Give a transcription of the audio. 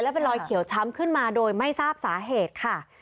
เป็นรอยเขียวช้ำขึ้นมาโดยไม่ทราบสาเหตุค่ะ